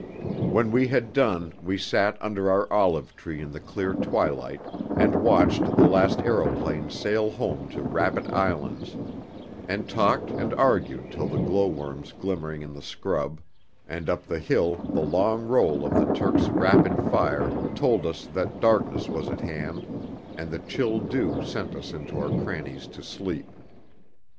When we had done we sat under our olive tree in the clear twilight, and watched the last aeroplanes sail home to Rabbit Islands, and talked and argued till the glow worms glimmering in the scrub, and up the hill the long roll of the Turks' rapid fire, told us that darkness was at hand, and the chill dew sent us into our crannies to sleep.